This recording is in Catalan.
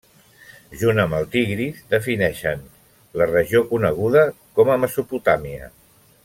Junt amb el Tigris, defineixen la regió coneguda com a Mesopotàmia.